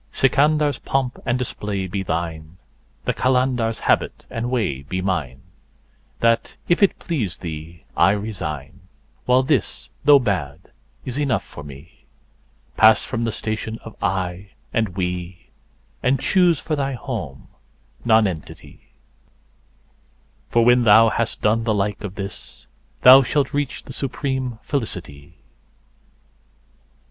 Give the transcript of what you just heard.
Sikandar's3 pomp and display be thine, the Qalandar's4 habit and way be mine; That, if it please thee, I resign, while this, though bad, is enough for me. Pass from the station of "I" and "We," and choose for thy home Nonentity, For when thou has done the like of this, thou shalt reach the supreme Felicity.